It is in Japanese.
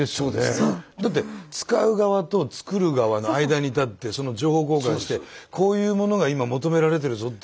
だって使う側と作る側の間に立ってその情報交換してこういう物が今求められてるぞっていう。